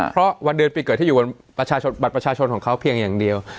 เพราะวันเดือนปีเกิดที่อยู่บนบัตรประชาชนของเขาเพียงอย่างเดียว